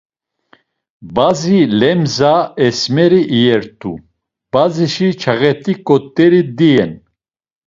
Bazi lemza esmeri iyert̆u, bazişi çağet̆i ǩot̆eri dien.